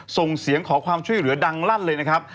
ส่งเสียงขอความช่วยเหลือดังลั่นเลยนะครับ